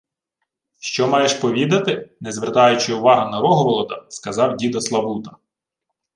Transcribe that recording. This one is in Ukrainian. — Що маєш повідати? — не звертаючи увагу на Рогволода, сказав дідо Славута.